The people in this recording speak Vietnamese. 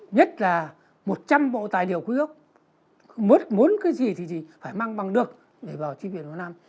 nhất là một trăm linh bộ tài liệu khuyết muốn cái gì thì phải mang bằng được để vào tri viện vào nam